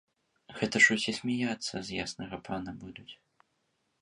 Гэта ж усе смяяцца з яснага пана будуць.